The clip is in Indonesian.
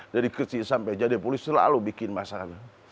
dari kecil sampai jadi polisi selalu bikin masalah